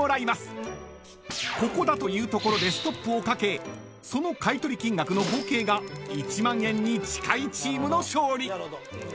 ［ここだというところでストップをかけその買い取り金額の合計が１万円に近いチームの勝利］